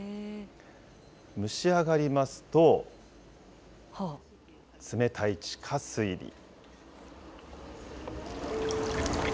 蒸し上がりますと、冷たい地下水に。